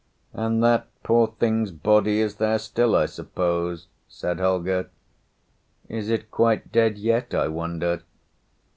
"_ _"And that poor thing's body is there still, I suppose," said Holger. "Is it quite dead yet, I wonder?"